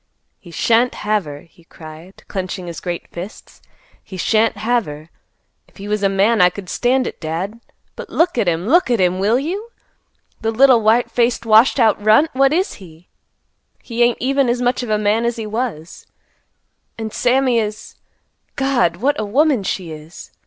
"He shan't have her," he cried, clenching his great fists; "he shan't have her. If he was a man I could stand it, Dad. But look at him! Look at him, will you? The little white faced, washed out runt, what is he? He ain't no man, Dad. He ain't even as much of a man as he was. And Sammy is—God! What a woman she is!